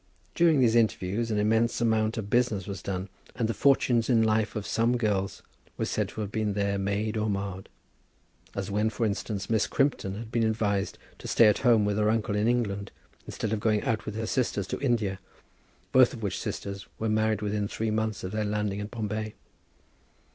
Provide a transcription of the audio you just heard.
During these interviews an immense amount of business was done, and the fortunes in life of some girls were said to have been there made or marred; as when, for instance, Miss Crimpton had been advised to stay at home with her uncle in England, instead of going out with her sisters to India, both of which sisters were married within three months of their landing at Bombay.